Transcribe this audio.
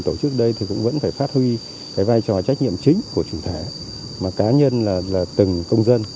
tổ chức đây thì cũng vẫn phải phát huy cái vai trò trách nhiệm chính của chủ thể mà cá nhân là từng công dân